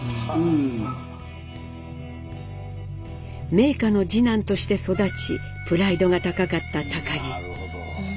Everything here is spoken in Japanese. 名家の次男として育ちプライドが高かった儀。